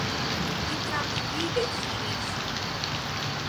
Li trankvile sidis.